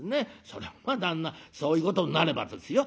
そりゃまあ旦那そういうことになればですよ